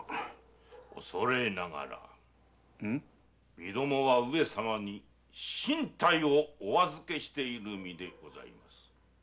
身共は上様に進退をお預けしている身でございます。